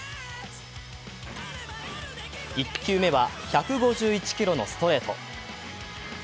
１球目は１５１キロのストレート。